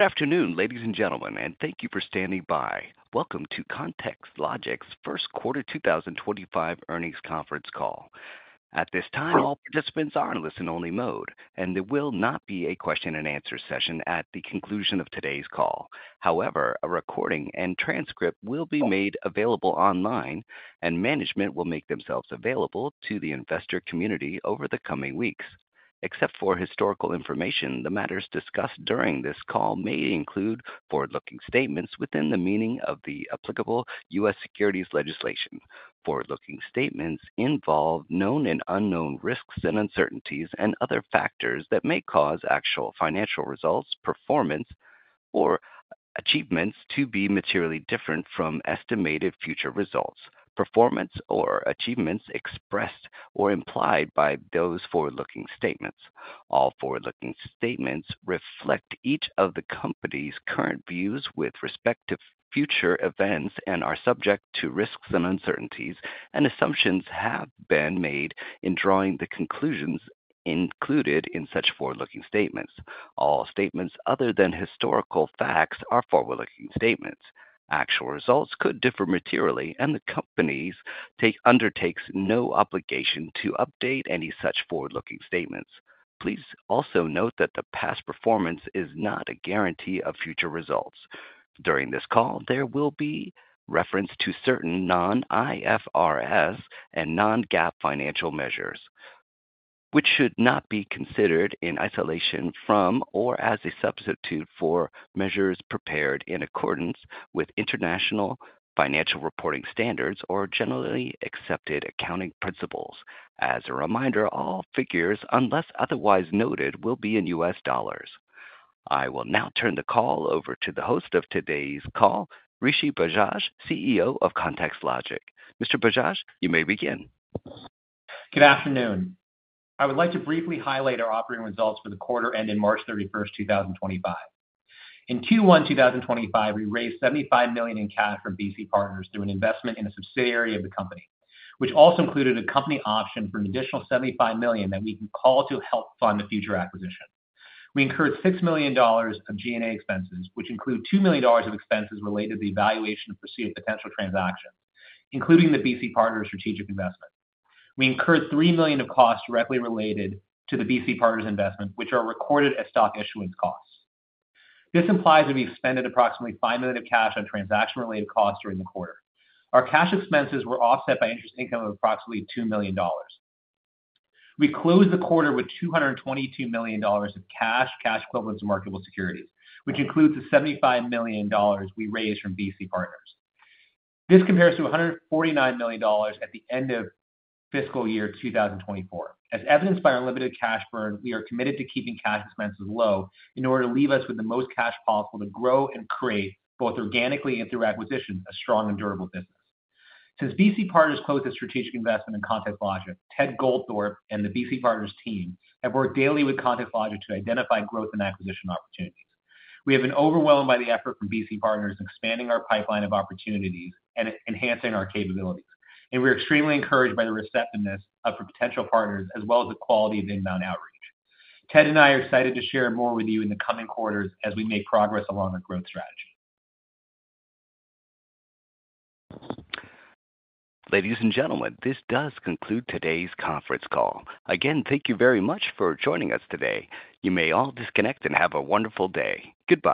Good afternoon, ladies and gentlemen, and thank you for standing by. Welcome to ContextLogic's first quarter 2025 earnings conference call. At this time, all participants are in listen-only mode, and there will not be a question-and-answer session at the conclusion of today's call. However, a recording and transcript will be made available online, and management will make themselves available to the investor community over the coming weeks. Except for historical information, the matters discussed during this call may include forward-looking statements within the meaning of the applicable U.S. securities legislation. Forward-looking statements involve known and unknown risks and uncertainties and other factors that may cause actual financial results, performance, or achievements to be materially different from estimated future results, performance, or achievements expressed or implied by those forward-looking statements. All forward-looking statements reflect each of the company's current views with respect to future events and are subject to risks and uncertainties, and assumptions have been made in drawing the conclusions included in such forward-looking statements. All statements other than historical facts are forward-looking statements. Actual results could differ materially, and the company undertakes no obligation to update any such forward-looking statements. Please also note that the past performance is not a guarantee of future results. During this call, there will be reference to certain non-IFRS and non-GAAP financial measures, which should not be considered in isolation from or as a substitute for measures prepared in accordance with international financial reporting standards or generally accepted accounting principles. As a reminder, all figures, unless otherwise noted, will be in U.S. dollars. I will now turn the call over to the host of today's call, Rishi Bajaj, CEO of ContextLogic. Mr. Bajaj, you may begin. Good afternoon. I would like to briefly highlight our operating results for the quarter ending March 31, 2025. In Q1 2025, we raised $75 million in cash from BC Partners through an investment in a subsidiary of the company, which also included a company option for an additional $75 million that we can call to help fund the future acquisition. We incurred $6 million of G&A expenses, which include $2 million of expenses related to the evaluation of perceived potential transactions, including the BC Partners' strategic investment. We incurred $3 million of costs directly related to the BC Partners' investment, which are recorded as stock issuance costs. This implies that we expended approximately $5 million of cash on transaction-related costs during the quarter. Our cash expenses were offset by interest income of approximately $2 million. We closed the quarter with $222 million of cash, cash equivalents of marketable securities, which includes the $75 million we raised from BC Partners. This compares to $149 million at the end of fiscal year 2024. As evidenced by our limited cash burden, we are committed to keeping cash expenses low in order to leave us with the most cash possible to grow and create, both organically and through acquisitions, a strong and durable business. Since BC Partners closed the strategic investment in ContextLogic, Ted Goldthorpe and the BC Partners' team have worked daily with ContextLogic to identify growth and acquisition opportunities. We have been overwhelmed by the effort from BC Partners in expanding our pipeline of opportunities and enhancing our capabilities, and we are extremely encouraged by the receptiveness of our potential partners, as well as the quality of inbound outreach. Ted and I are excited to share more with you in the coming quarters as we make progress along our growth strategy. Ladies and gentlemen, this does conclude today's conference call. Again, thank you very much for joining us today. You may all disconnect and have a wonderful day. Goodbye.